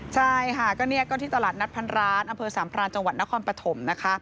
ใช่ค่ะก็นี่ก็ที่ตลาดนัดพันร้านอำเภอสามพรานจังหวัดนครปฐมนะคะ